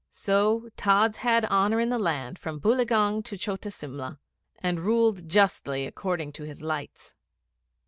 So Tods had honour in the land from Boileaugunge to Chota Simla, and ruled justly according to his lights.